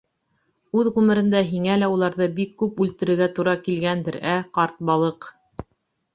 Үҙ ғүмерендә һиңә лә уларҙы бик күп үлтерергә тура килгәндер, ә, ҡарт балыҡ?!